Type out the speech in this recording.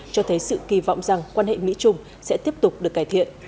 cho thấy sự kỳ vọng rằng quan hệ mỹ trung sẽ tiếp tục được cải thiện